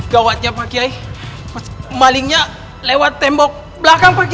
gawatnya pak kiai malingnya lewat tembok belakang pak kiai